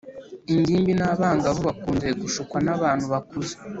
ingimbi n’abangavu bakunze gushukwa n’abantu bakuze,